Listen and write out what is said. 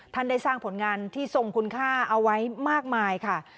ท่านได้สร้างผลงานที่ทรงคุณค่าเอาไว้มากมายค่ะ